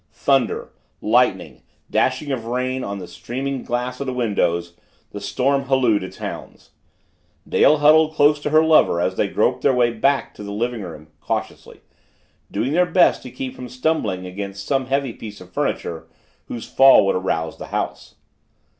Thunder lightning dashing of rain on the streaming glass of the windows the storm hallooing its hounds. Dale huddled close to her lover as they groped their way back to the living room, cautiously, doing their best to keep from stumbling against some heavy piece of furniture whose fall would arouse the house.